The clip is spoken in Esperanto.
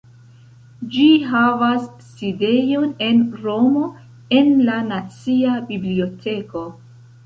Ĝi havas sidejon en Romo en la nacia biblioteko.